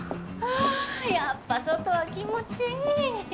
あっやっぱ外は気持ちいい